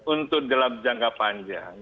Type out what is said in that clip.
untuk dalam jangka panjang